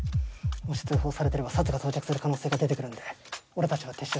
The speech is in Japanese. もし通報されてればサツが到着する可能性が出てくるんで俺たちは撤収します。